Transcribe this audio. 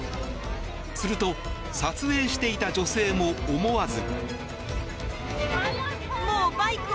すると撮影していた女性も思わず。